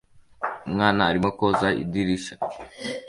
Umwana arimo koza idirishya